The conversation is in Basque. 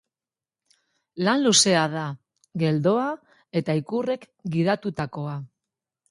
Lan luzea da, geldoa eta ikurrek gidatutakoa.